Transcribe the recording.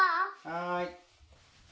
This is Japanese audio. はい。